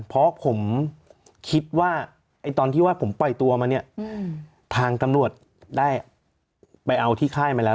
เพราะผมคิดว่าตอนที่ว่าผมปล่อยตัวมาเนี่ยทางตำรวจได้ไปเอาที่ค่ายมาแล้ว